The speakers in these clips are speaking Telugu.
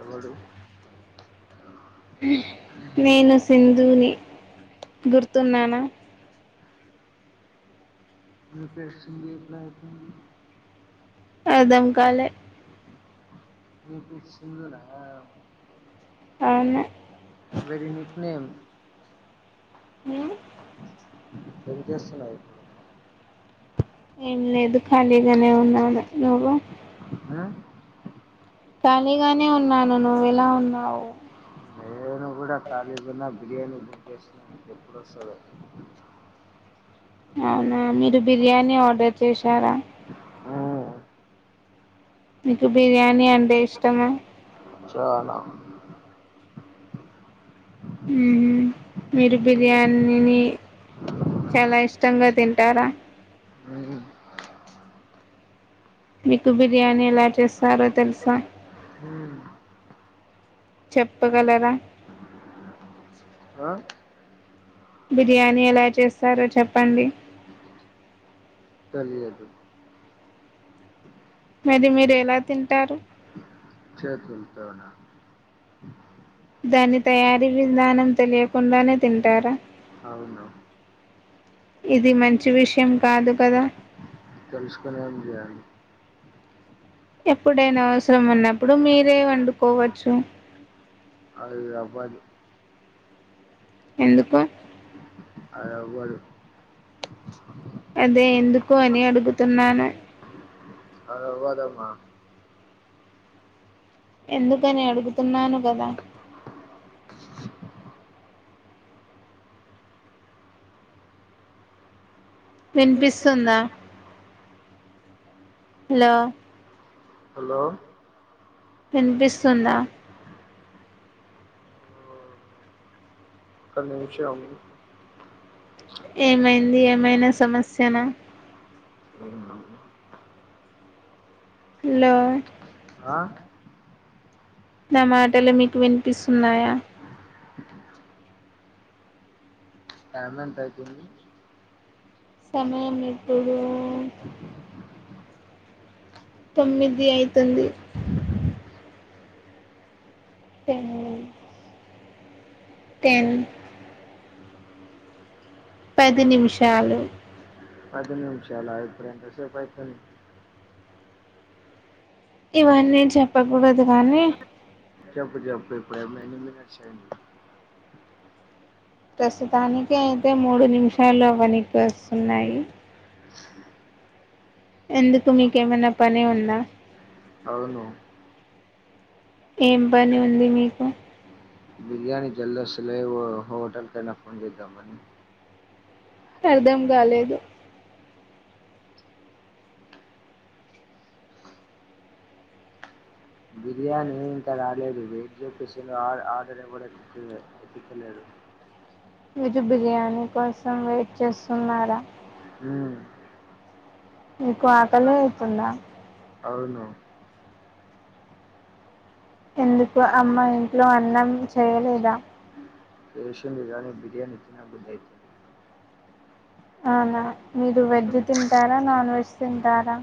ఎవడు నేను సింధుని గుర్తున్నానా మీ పేసెంది ఇట్లా ఐపోయింది అర్థంకాలే వినిపిసునద ఆవును మేం ఉమ్ ఏమి చేస్తున్నావ్ ఇప్పుడు ఏం లేదు ఖాళీగానే ఉన్నాను. నువ్వు ఆ ఖాళీగానే ఉన్నాను నువ్వు ఇలా ఉన్నావు. నేను కూడా ఖాళీ గున్న బిర్యానీ బుక్ చేసిన ఇంకా ఎప్పుడు వస్తదో అవునా మీరు బిర్యానీ ఆర్డర్ చేశారా ఊ నీకు బిర్యానీ అంటే ఇష్టమా? చాలా ఉహుమ్ మీరు ఉం, బిర్యానీ ని చాలా ఇష్టంగా తింటారా మీకు బిర్యానీ ఎలా చేస్తారో తెలుసా, ఉం, చెప్పగలరా ఆ? బిర్యానీ ఎలా చేస్తారో చెప్పండి. తెలియదు. మరి మీరు ఎలా తింటారు. చేతులతోనూ దాని తయారీ విధానం తెలియకుండానే తింటారా. అవును ఇది మంచి విషయం కాదు కదా తెలుసుకునీ ఏం చేయాలి. ఎప్పుడైనా అవసరం ఉన్నప్పుడు మీరే వండుకోవచ్చు. అది అవ్వదు ఎందుకు? అది అవ్వదు. అదే ఎందుకు అని అడుగుతున్నాను. అది అవ్వదమ్మా ఎందుకని అడుగుతున్నాను గదా వినిపిస్తుందా హలో హలో వినిపిస్తుందా ఒక్క నిమిషం ఏమైంది ఏమైనా సమస్యన హలో ఆ? నా మాటలు మీకు వినిపిస్తున్నాయా! టైమ్ ఎంత అయితుంది. సమయం ఇప్పుడు తొమ్మిది అయితుంది టెన్ [unintelligible] టెన్ పది నిమిషాలు పది నిమిషాల ఇప్పుడు ఎంత సేపు అయితుంది ఇవన్నీ చెప్పకూడదు కానీ చెప్పు చెప్పు ఇప్పుడు ఎన్ని మినిట్స్ అయింది ప్రస్తుతానికి అయితే మూడు నిమిషాలు వనీకి వస్తున్నాయి. ఎందుకు మీకు ఏమి అన్నా పని ఉందా. అవును ఏం పని ఉంది మీకు బిర్యానీ జల్దీవస్థలేదు హోటల్ కైనా ఫోన్ చేద్దాం అని అర్ధం కాలేదు. బిర్యానీ ఇంకా రాలేదు. వెయిట్ చూపిస్తుంది ఆర్డర్ ఆర్డర్ ఎవరు ఎత్తుతలేరు ఎత్తుతలేడు. మీరు బిర్యానీ కోసం వెయిట్ చేస్తున్నారా! హ్మ్ నీకు ఆకలే అయితుందా అవును ఎందుకు అమ్మ ఇంట్లో అన్నం చేయలేదా చేసింది కానీ బిర్యానీ తిన బుద్ధిఅయితుంది హహ మీరు వెజ్ తింటారా నాన్ వెజ్ తింటారా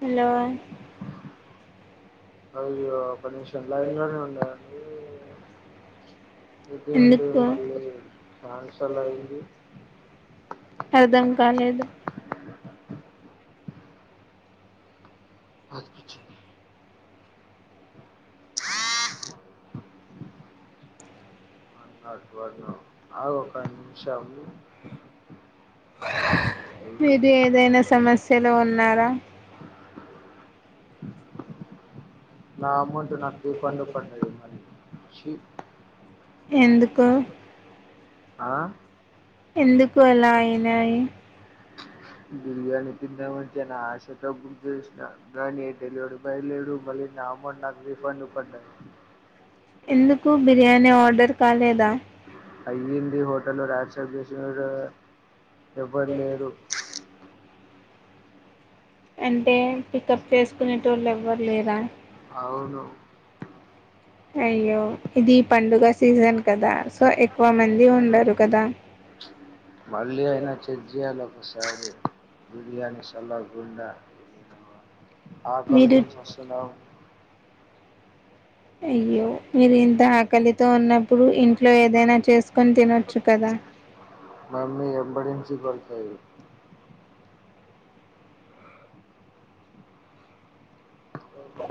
హలో ఒక్కనిమిషం లైన్లోనే ఉండండి ఇదేంటి ఎందుకు మళ్ళీ క్యాన్సల్ అయింది అర్ధం కాలేదు బతికించింది షా [unintelligible] మీరు ఏదైనా సమస్యలో ఉన్నారా నా అమౌంట్ నాకు రిఫండ్ పడ్డది మళ్లీ చీ ఎందుకు ఆ ఎందుకు అలా అయినాయి బిర్యానీ తిందాం అని చాన ఆశతో బుక్ చేసిన కానీ డెలివరీ బాయ్ లేడు మళ్లీ నాఅమౌంట్ నాకు రిఫండ్ పడ్డాయ్ ఎందుకు బిర్యానీ ఆర్డర్ కాలేదా అయ్యింది హోటల్లో యాక్సెప్ట్ చేసేవొడు ఎవ్వరు లేరు అంటే పికప్ చేసుకునేటోళ్ళు ఎవ్వరు లేరా అవును అయ్యో ఇది పండుగ సీజన్ కదా సో ఎక్కువ మంది ఉండరు కదా మళ్ళీ అయినా చెడ్చేయాల వసాది బిర్యానీ సల్లగుండ మీరు ఆకలితోన చస్తున్నాం అయ్యో మీరు ఇంత ఆకలితో ఉన్నప్పుడు ఇంట్లో ఏదైనా చేసుకొని తినొచ్చు కదా మమ్మీ ఎంబడించి కొడుతాది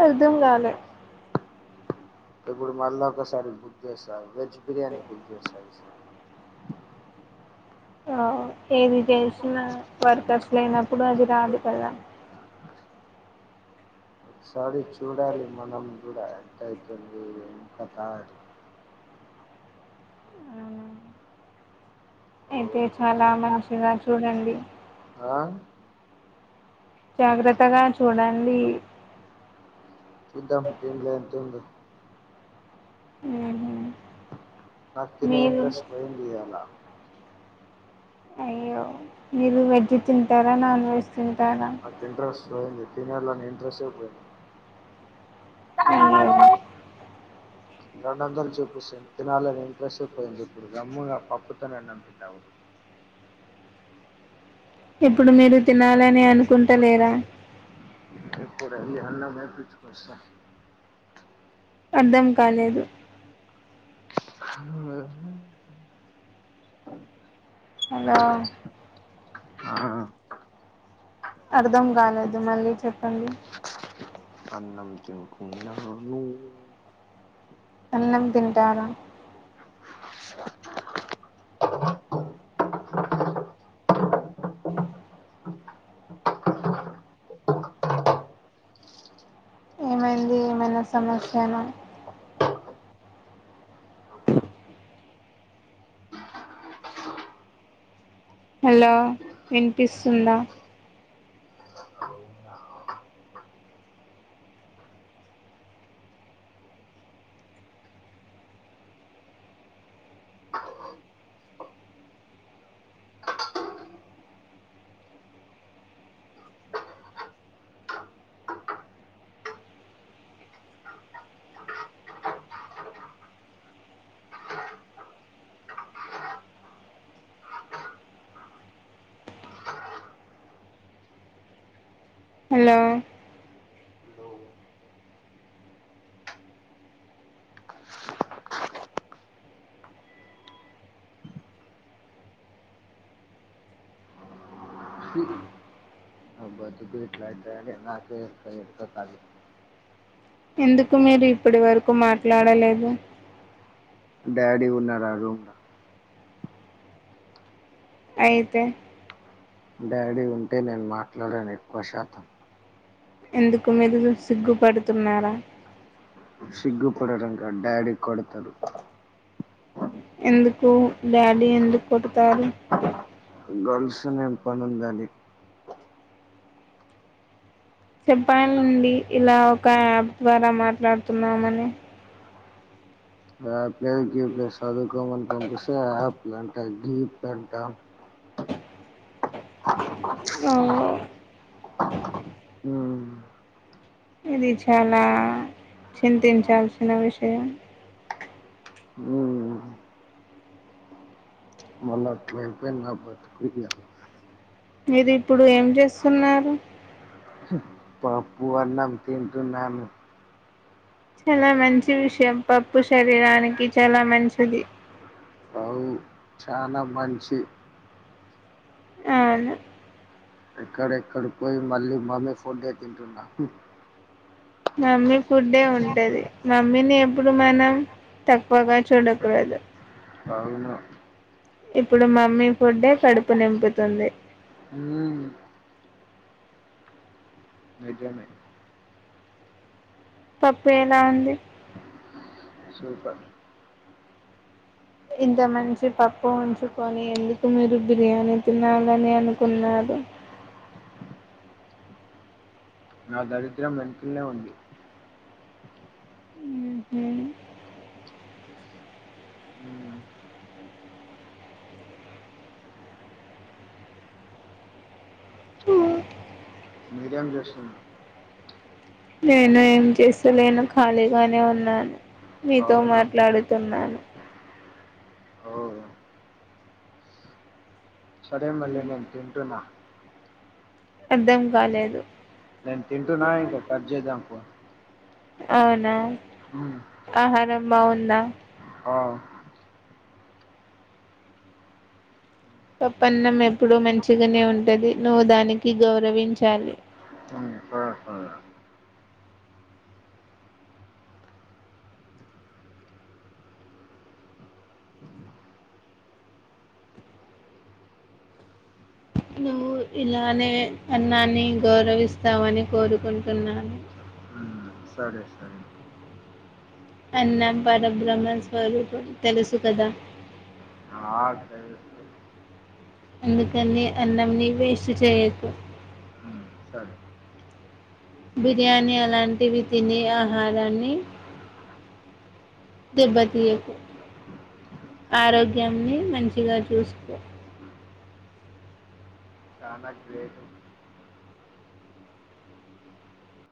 అర్థం కాలే ఇప్పుడు మళ్ళ ఒకసారి బుక్ చేస్తాను వెజ్ బిర్యానీ బుక్ చేస్తా ఈసారి ఏది చేసిన వర్కర్స్ లేనప్పుడు అది రాదు కదా ఒకసారి చూడాలి మనం కూడా ఎట్టైతుంది ఏంకాత అని అయితే ఓహో చాలా మంచిగా చూడండి ఆ జాగ్రత్తగా చూడండి చూద్దాం దీంట్లొ ఎంతుందో హ్మ్ హు నాక్ తినే ఇంట్రెస్ట్ పోయింది ఈయాల అయ్యో మీరు వెజ్ తింటారా నాన్ వెజ్ తింటారా నాకు ఇంట్రెస్ట్ పోయింది తినాలని ఇంట్రెస్టే పోయింది అయ్యో రెండు వందలు చూపిస్తే తినాలని ఇంట్రెస్ట్ అయిపొయింది ఇప్పుడు గమ్ముగా పప్పుతో నన్నా తినాలి ఇప్పుడు మీరు తినాలని అనుకుంటలేరా ఇప్పుడెళ్ళి అన్నం ఏపిచ్చుకోస్త అర్థం కాలేదు అ [inaudible] హలో ఆ [inaudible] అర్ధం కాలేదు మళ్ళీ చెప్పండి అన్నం తింటున్నాను అన్నం తింటారా ఏమైంది ఏమైనా సమస్యనా హలో వినిపిస్తుందా హలో చి నాబతుకు ఇట్ల అయితదని నాకే ఎరకైతాది ఎందుకు మీరు ఇప్పడి వరకు మాట్లాడలేదు డాడీ ఉన్నారు ఆ రూమ్ లో అయితే డాడీ ఉంటే నేను మాట్లాడను ఎక్కువ శాతం ఎందుకు మీరు సిగ్గుపడుతున్నారా సిగ్గుపడటం గాదు డాడీ కొడతారు ఎందుకు డాడీ ఎందుకు కొడతారు గర్ల్స్ నేమ్ పని ఉందని చెప్పాండి ఇలా ఒక యాప్ ద్వారా మాట్లాడుతున్నామని యాప్ లేదు గీప్ లేదు చదువుకోమని పంపిస్తే యాప్ల్ అంట గీప్ల్ అంట ఓ ఆ [inaudible] మ్మ్ ఇది చాలా చింతించాల్సిన విషయం ఉమ్. మళ్ళీ అట్లా అయిపోయింది నా బతుకు ఇంగ మీరు ఇప్పుడు ఏం చేస్తున్నారు పప్పు అన్నం తింటున్నాను చాలా మంచి విషయం పప్పు శరీరానికి చాలా మంచిది అవు చాలా మంచి అవును ఎక్కడెక్కడ పోయి మళ్ళీ మమ్మి ఫుడ్డే తింటున్నా హ్మ్ మమ్మి ఫుడ్డే ఉంటది మమ్మీనేమ్ ఇప్పుడు మనం తక్కువగా చూడకూడదు అవును ఇప్పుడు మమ్మీ ఫుడ్డే కడుపు నింపుతుంది ఉమ్, నిజమే పప్పు ఎలా ఉంది సూపర్ ఇంత మంచి పప్పు ఉంచుకొని ఎందుకు మీరు బిర్యానీ తినాలని అనుకున్నారు. నా దరిద్రం వెనకల్నే ఉంది. మ్మ్. మీరేం జేస్తున్నారు నేను ఏం చేస్తలేను ఖాళీగానే ఉన్నాను మీతో అవునా మాట్లాడుతున్నాను ఓ సరే మళ్ళీ నేను తింటున్న అర్ధం కాలేదు నేను తింటున్నా ఇంకా కట్ చేద్దాం పో అవునా ఆహారం బాగుందా ఆ, పప్పన్నం ఎప్పుడూ మంచిగానే ఉంటది నువ్వు దానికి గౌరవించాలి మ్మ్, సరే సరే నువ్వు ఇలానే అన్నాన్ని గౌరవిస్తావని కోరుకుంటున్నాను మ్మ్, సరే సరే అన్నం పరబ్రహ్మ స్వరూపుడు తెలుసు కదా నాకు తెలుసు అందుకనే అన్నంని వేస్ట్ చేయకు మ్మ్, సరే బిర్యానీ అలాంటివి తిని ఆహారాన్ని దెబ్బతీయకు ఆరోగ్యాన్ని మంచిగా చూసుకో చానా గ్రేట్